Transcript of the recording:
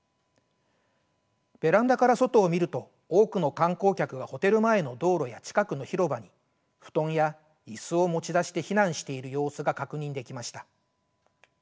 ベランダから外を見ると多くの観光客がホテル前の道路や近くの広場に布団や椅子を持ち出して避難している様子が確認できました。